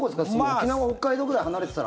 沖縄、北海道くらい離れてたら。